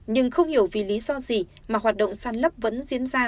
nhưng không hiểu vì lý do gì mà hoạt động săn lấp vẫn diễn ra